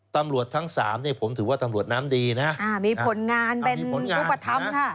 ตำรวจทั้งสามเนี่ยผมถือว่าตำรวจน้ำดีนะอ่ามีผลงานเป็นรูปธรรมค่ะ